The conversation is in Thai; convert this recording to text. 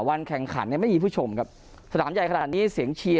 วันแข่งขันยังไม่ยินผู้ชมครับสนามขนาดนี้เสียงเชียร์